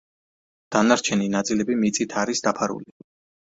დანარჩენი ნაწილები მიწით არის დაფარული.